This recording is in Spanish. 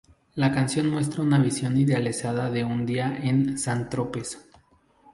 La canción muestra una visión idealizada de un día en San Tropez.